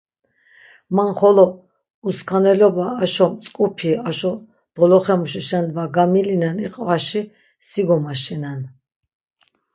Man xolo uskaneloba aşo mtzk̆upi, aşo doloxe muşişen va gamilinen iqvaşi si gomaşinen.